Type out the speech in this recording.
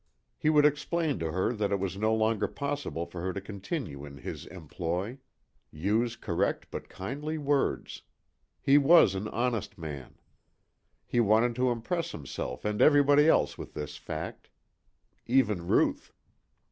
He would explain to her that it was no longer possible for her to continue in his employ. Use correct but kindly words. He was an honest man. He wanted to impress himself and everybody else with this fact. Even Ruth.